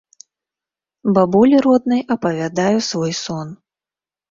Бабулі роднай апавядаю свой сон.